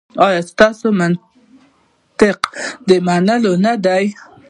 ایا ستاسو منطق د منلو نه دی؟